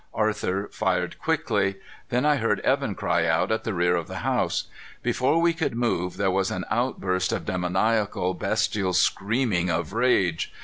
Arthur fired quickly. Then I heard Evan cry out at the rear of the house. Before we could move, there was an outburst of demoniacal, bestial screamings of rage.